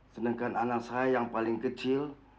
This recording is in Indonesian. sedangkan anak saya yang paling kecil